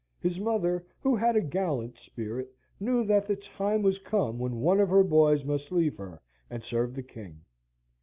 His mother, who had a gallant spirit, knew that the time was come when one of her boys must leave her and serve the king.